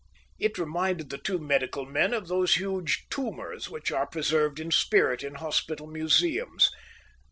It reminded the two medical men of those huge tumours which are preserved in spirit in hospital museums.